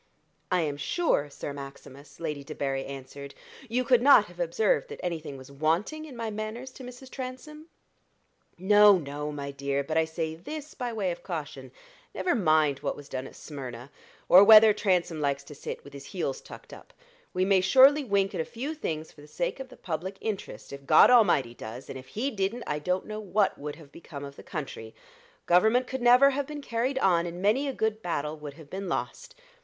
"I am sure, Sir Maximus," Lady Debarry answered, "you could not have observed that anything was wanting in my manners to Mrs. Transome." "No, no, my dear; but I say this by way of caution. Never mind what was done at Smyrna, or whether Transome likes to sit with his heels tucked up. We may surely wink at a few things for the sake of the public interest, if God Almighty does; and if He didn't, I don't know what would have become of the country Government could never have been carried on, and many a good battle would have been lost.